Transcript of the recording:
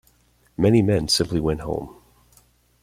Many men simply went home.